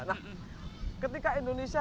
nah ketika indonesia